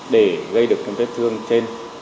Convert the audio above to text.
để gây được cái vết thương trên